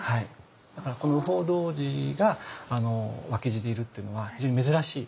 だからこの雨宝童子が脇侍でいるっていうのは非常に珍しい。